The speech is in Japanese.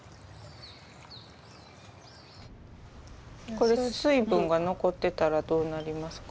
これ水分が残ってたらどうなりますか？